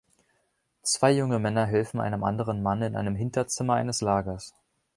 Zwei junge Männer helfen einem anderen Mann in einem Hinterzimmer eines Lagers.